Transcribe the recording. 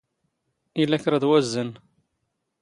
ⵉⵍⴰ ⴽⵕⴰⴹ ⵡⴰⵣⵣⴰⵏⵏ.